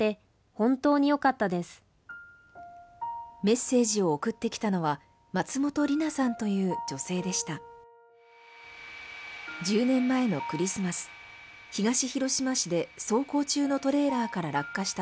メッセージを送ってきたのは松本里奈さんという女性でした。